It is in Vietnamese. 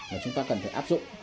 mà chúng ta cần phải áp dụng